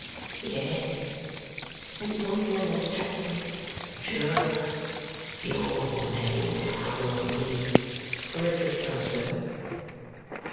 "Yes," said the old man abstractedly. "Sure! YOUR name now will be " "Richard Carstone."